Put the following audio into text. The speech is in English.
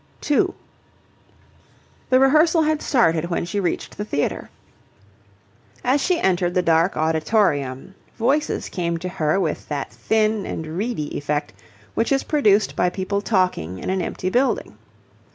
2 The rehearsal had started when she reached the theatre. As she entered the dark auditorium, voices came to her with that thin and reedy effect which is produced by people talking in an empty building.